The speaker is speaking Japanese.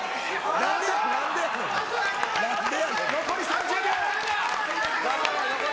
残り３０秒。